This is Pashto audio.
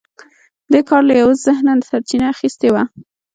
دې کار له یوه ذهنه سرچینه اخیستې وه